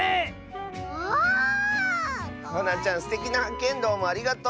すてきなはっけんどうもありがとう！